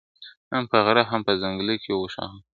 هم په غره هم په ځنګله کي وو ښاغلی !.